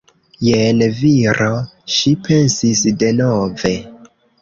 Jen viro, ŝi pensis denove.